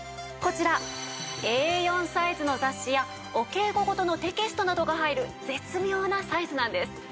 こちらＡ４サイズの雑誌やお稽古事のテキストなどが入る絶妙なサイズなんです。